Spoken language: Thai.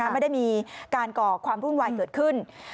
ไม่ได้มีการก่อความวุ่นวายเกิดขึ้น